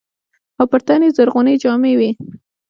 او پر تن يې زرغونې جامې وې.